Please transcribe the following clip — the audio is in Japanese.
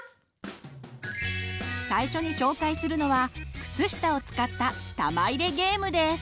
最初に紹介するのは靴下を使った玉入れゲームです。